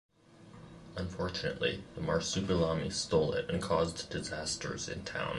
Unfortunately, the Marsupilami stole it and caused disasters in town.